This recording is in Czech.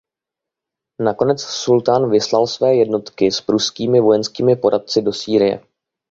Nakonec sultán vyslal své jednotky s pruskými vojenskými poradci do Sýrie.